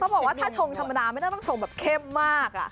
บอกว่าถ้าชงธรรมดาไม่ต้องชงแบบเข้มมาก